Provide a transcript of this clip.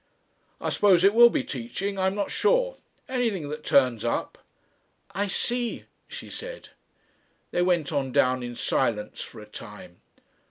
"I suppose it will be teaching, I'm not sure. Anything that turns up." "I see," she said. They went on down in silence for a time.